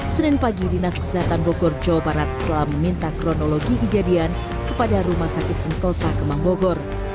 senin pagi dinas kesehatan bogor jawa barat telah meminta kronologi kejadian kepada rumah sakit sentosa kemang bogor